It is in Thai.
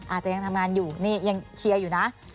อาจจะยังทำงานอยู่นี่ยังเชียร์อยู่นะ